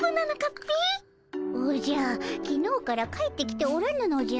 おじゃきのうから帰ってきておらぬのじゃ。